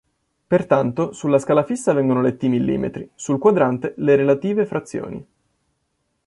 Pertanto, sulla scala fissa vengono letti i millimetri, sul quadrante le relative frazioni.